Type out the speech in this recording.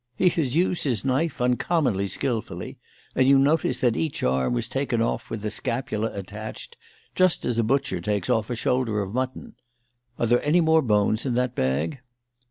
He has used his knife uncommonly skilfully, and you notice that each arm was taken off with the scapula attached, just as a butcher takes off a shoulder of mutton. Are there any more bones in that bag?"